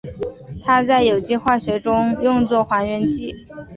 它在有机化学中用作还原剂。